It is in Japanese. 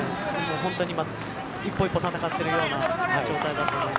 本当に一歩一歩闘ってるような状態だと思います。